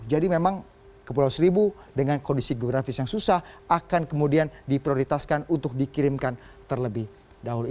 jadi memang kepelawan seribu dengan kondisi geografis yang susah akan kemudian diprioritaskan untuk dikirimkan terlebih dahulu